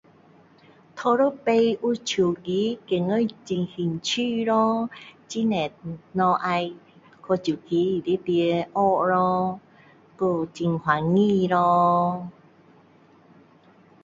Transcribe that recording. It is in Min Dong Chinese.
第一次有手机感觉很兴趣咯！很多物要去手机里面学咯！还有很欢喜咯!